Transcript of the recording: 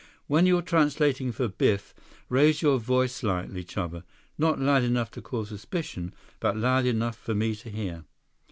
"When you're translating for Biff, raise your voice slightly, Chuba. Not loud enough to cause suspicion, but loud enough for me to hear."